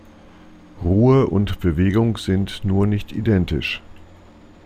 Ruhe und Bewegung sind nur nicht identisch.